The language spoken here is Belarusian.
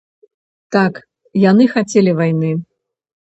Так, яны хацелі вайны.